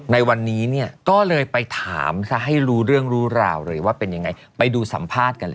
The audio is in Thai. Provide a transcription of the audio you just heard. ในวันนี้เนี่ยก็เลยไปถามซะให้รู้เรื่องรู้ราวเลยว่าเป็นยังไงไปดูสัมภาษณ์กันเลย